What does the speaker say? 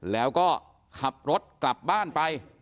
แล้วก็ขับรถกลับบ้านไป